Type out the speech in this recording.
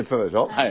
はい。